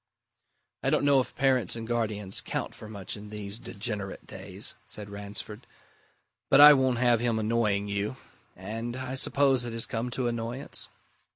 "I don't know if parents and guardians count for much in these degenerate days," said Ransford. "But I won't have him annoying you. And I suppose it has come to annoyance?"